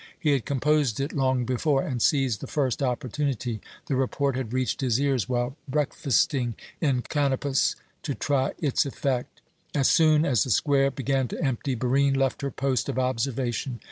He had composed it long before, and seized the first opportunity the report had reached his ears while breakfasting in Kanopus to try its effect. As soon as the square began to empty, Barine left her post of observation.